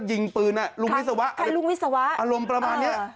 จริงปืนลุงวิศวะอารมณ์ประมาณนี้